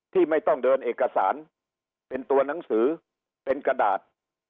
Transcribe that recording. ที่ไม่ต้องเดินเอกสารเป็นตัวหนังสือเป็นกระดาษ